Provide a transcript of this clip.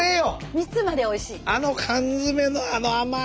蜜までおいしい。